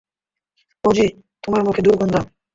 Aussie, তোমার মুখে দুর্গন্ধ!